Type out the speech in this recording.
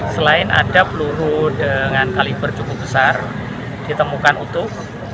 selain ada peluru dengan kaliber cukup besar ditemukan utuh